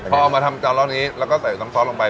พอเอามาทำจานเล่านี้แล้วก็ใส่น้ำซอสลงไป